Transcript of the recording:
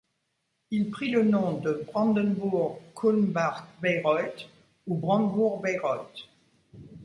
Il prit le nom de Brandebourg-Kulmbach-Bayreuth ou Brandebourg-Bayreuth.